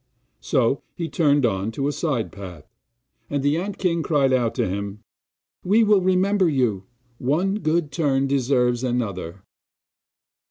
So he turned on to a side path and the ant king cried out to him: 'We will remember you one good turn deserves another!